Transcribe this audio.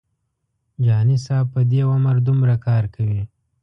جهاني صاحب په دې عمر دومره کار کوي.